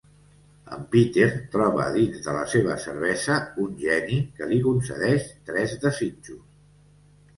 En Peter troba dins de la seva cervesa un geni que li concedeix tres desitjos.